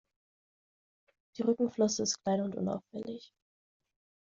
Die Rückenflosse ist klein und unauffällig.